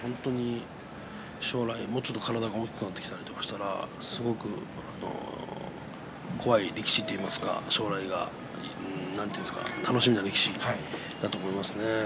玉正鳳は将来もうちょっと体が大きくなってきたらすごく怖い力士といいますか将来が楽しみな力士だと思うんですね。